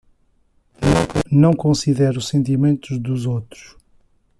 Não considere os sentimentos dos outros